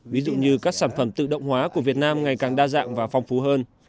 ví dụ như các sản phẩm tự động hóa của việt nam ngày càng đa dạng và phong phú hơn